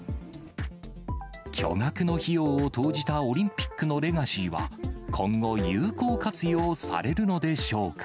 巨額の費用を投じたオリンピックのレガシーは、今後、有効活用されるのでしょうか。